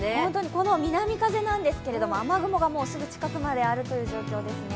この南風なんですけども、雨雲がもうすぐ近くまであるという状況ですね。